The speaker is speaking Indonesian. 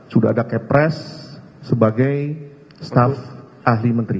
sudah ada kepres sebagai staf ahli menteri